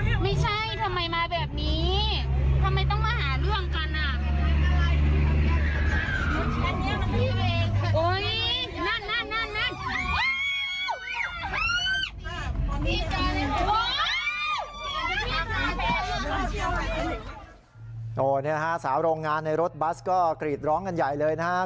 นี่ฮะสาวโรงงานในรถบัสก็กรีดร้องกันใหญ่เลยนะครับ